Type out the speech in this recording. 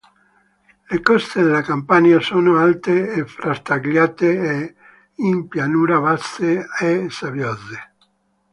Le coste della Campania sono alte e frastagliate e in pianura basse e sabbiose.